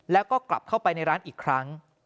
แล้วก็กลับเข้าไปในร้านอีกครั้ง